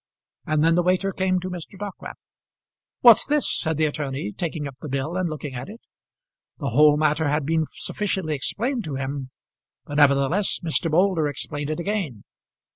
And then the waiter came to Mr. Dockwrath. "What's this?" said the attorney, taking up the bill and looking at it. The whole matter had been sufficiently explained to him, but nevertheless Mr. Moulder explained it again.